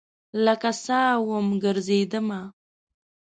لکه سا وم ګرزیدمه